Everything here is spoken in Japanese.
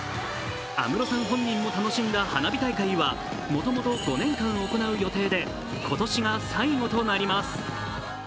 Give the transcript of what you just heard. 安室さん本人も楽しんだ花火大会はもともと４年間行う予定で今年が最後となります。